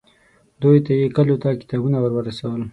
دوی ته یې کلیو ته کتابونه ورسول.